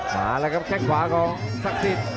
มาแล้วครับแค่งขวาของศักดิ์สิทธิ์